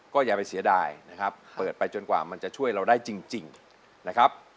ก็อย่าไปเสียดายนะครับเปิดไปจนกว่ามันจะช่วยเราได้จริงนะครับ